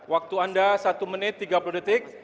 waktu anda satu menit tiga puluh detik